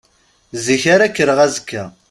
Zik ara kkreɣ azekka.